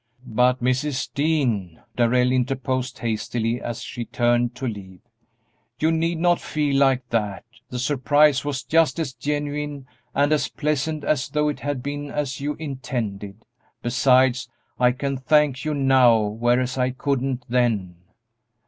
"But, Mrs. Dean," Darrell interposed, hastily, as she turned to leave, "you need not feel like that; the surprise was just as genuine and as pleasant as though it had been as you intended; besides, I can thank you now, whereas I couldn't then."